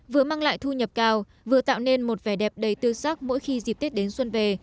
vừa mang lại thu nhập cao vừa tạo nên một vẻ đẹp đầy tư sắc mỗi khi dịp tết đến xuân về